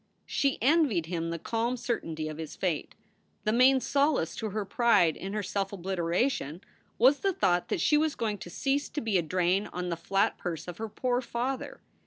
She envied him the calm certainty of his fate. The main solace to her pride in her self obliteration was the thought that she was going to cease to be a drain on the flat purse of her poor father.